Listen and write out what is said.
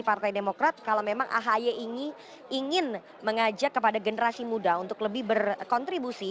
partai demokrat kalau memang ahy ini ingin mengajak kepada generasi muda untuk lebih berkontribusi